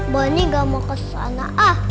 bonnie gak mau kesana